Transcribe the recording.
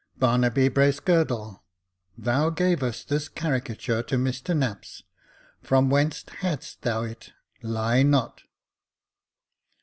Barnaby Bracegirdle, thou gavest this caricature to Mr Knapps ; from whence hadst thou it ? Lie not."